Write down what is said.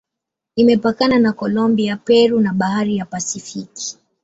Imepakana na Kolombia, Peru na Bahari ya Pasifiki.